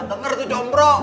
dengar tuh combro